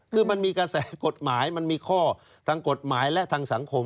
คือมันมีกระแสกฎหมายมันมีข้อทางกฎหมายและทางสังคม